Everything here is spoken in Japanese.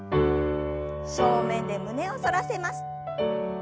正面で胸を反らせます。